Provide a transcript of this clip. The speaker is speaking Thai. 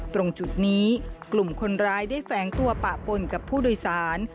ตรงจุดนี้กลุ่มคนร้ายได้แฝงตัวปะปนกับผู้โดยสาร